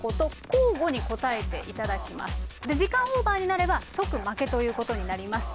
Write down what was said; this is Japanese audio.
時間オーバーになれば即負けということになります。